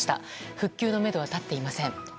復旧のめどは立っていません。